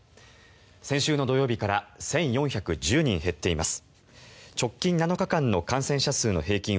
先週の土曜日から１４１０人減っています。